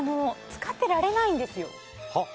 浸かってられないんですよ。